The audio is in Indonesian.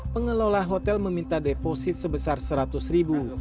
pengelola hotel meminta deposit sebesar seratus ribu